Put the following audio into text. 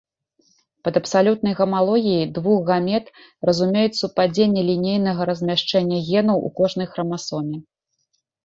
Пад абсалютнай гамалогіяй двух гамет разумеюць супадзенне лінейнага размяшчэння генаў у кожнай храмасоме.